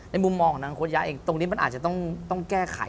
มุมมองของนางโค้ชยะเองตรงนี้มันอาจจะต้องแก้ไข